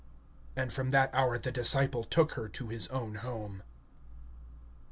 And from that hour the disciple took her to his own home.